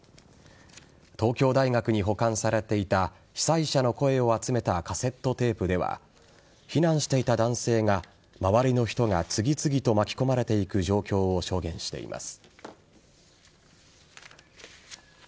東京大学に保管されていた被災者の声を集めたカセットテープでは避難していた男性が周りの人が次々と巻き込まれていく状況を証言しています。